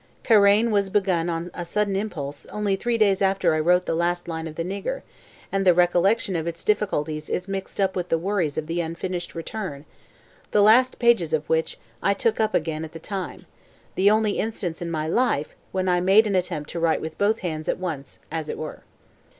Karain was begun on a sudden impulse only three days after I wrote the last line of The Nigger, and the recollection of its difficulties is mixed up with the worries of the unfinished Return, the last pages of which I took up again at the time; the only instance in my life when I made an attempt to write with both hands at once as it were.